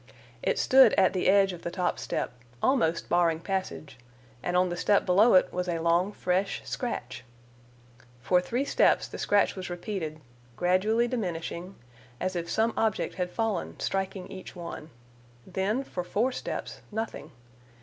It stood at the edge of the top step, almost barring passage, and on the step below it was a long fresh scratch. For three steps the scratch was repeated, gradually diminishing, as if some object had fallen, striking each one. Then for four steps nothing.